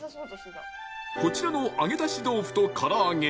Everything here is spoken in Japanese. こちらの揚げ出し豆腐とから揚げ